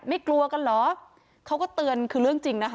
กลัวกันเหรอเขาก็เตือนคือเรื่องจริงนะคะ